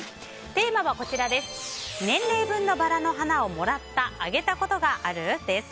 テーマは年齢分のバラの花をもらった・あげたことがある？です。